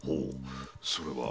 それは？